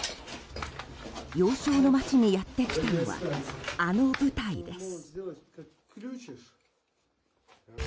要衝の街にやってきたのはあの部隊です。